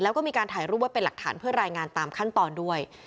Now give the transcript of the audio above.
แล้วก็มีการถ่ายรูปไว้เป็นหลักฐานเพื่อรายงานตามขั้นตอนด้วย